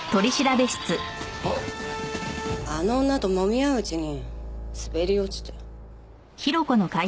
あの女と揉み合ううちに滑り落ちて。